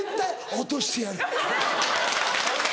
落としてやる。